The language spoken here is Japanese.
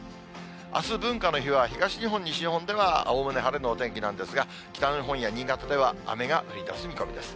あす文化の日は東日本、西日本ではおおむね晴れのお天気なんですが、北日本や新潟では、雨が降りだす見込みです。